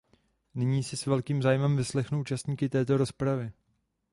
Nyní si s velkým zájmem vyslechnu účastníky této rozpravy.